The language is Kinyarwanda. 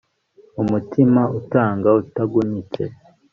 umutima utanga utagunitse